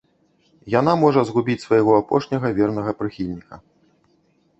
Яна можа згубіць свайго апошняга вернага прыхільніка.